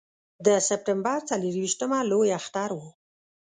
د سپټمبر څلرویشتمه لوی اختر و.